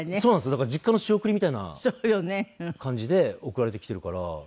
だから実家の仕送りみたいな感じで送られてきてるから。